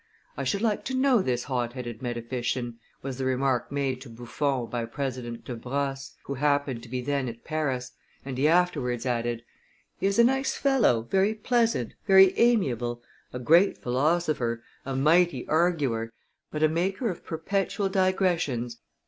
"I should like to know this hot headed metaphysician," was the remark made to Buffon by President De Brosses, who happened to be then at Paris; and he afterwards added, "He is a nice fellow, very pleasant, very amiable, a great philosopher, a mighty arguer, but a maker of perpetual digressions.